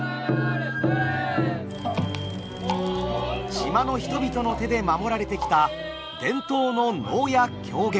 島の人々の手で守られてきた伝統の能や狂言。